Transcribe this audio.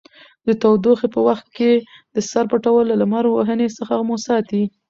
د تودوخې په وخت کې د سر پټول له لمر وهنې څخه مو ساتي.